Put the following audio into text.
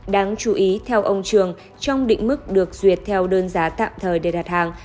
đáng chú ý theo ông trường trong định mức được duyệt theo đơn giá tạm thời để đặt hàng